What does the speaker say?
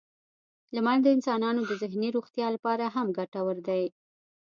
• لمر د انسانانو د ذهني روغتیا لپاره هم ګټور دی.